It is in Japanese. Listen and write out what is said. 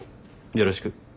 よろしく。